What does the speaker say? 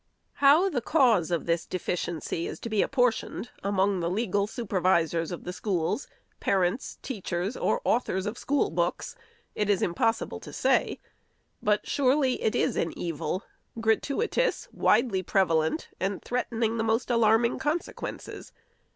How the cause of this deficiency is to be apportioned among the legal supervisors of the schools, parents, teachers or authors of school books, it is impossible to say ; but surely it is an evil, gratuitous, widely prevalent, and threatening the most alarming consequences.